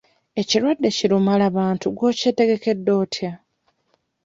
Ekirwadde ki lumala bantu gwe okyetegekedde otya?